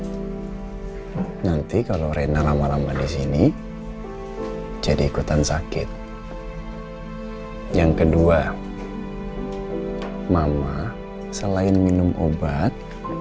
hai nanti kalau rina lama lama di sini jadi ikutan sakit yang kedua mama selain minum obat